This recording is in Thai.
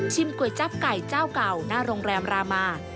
ก๋วยจับไก่เจ้าเก่าหน้าโรงแรมรามา